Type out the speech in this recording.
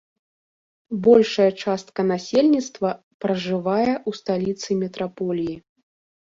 Большая частка насельніцтва пражывае ў сталіцы метраполіі.